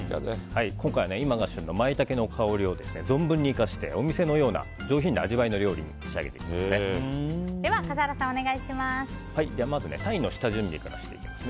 今回は今が旬のマイタケの香りを存分に生かしてお店のような上品な味わいのでは笠原さん、お願いします。